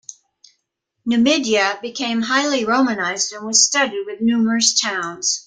Numidia became highly Romanized and was studded with numerous towns.